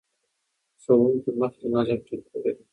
ښوونکي مخکې نظم ټینګ کړی و.